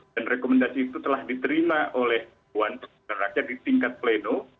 dan rekomendasi itu telah diterima oleh puan rakyat di tingkat pleno